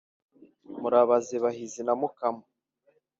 murabaze bihizi na mukama